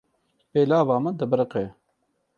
Pêlava min dibiriqe.